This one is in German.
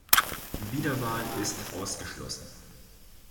Wiederwahl ist ausgeschlossen.